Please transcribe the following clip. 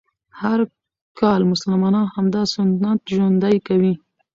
هر کال مسلمانان همدا سنت ژوندی کوي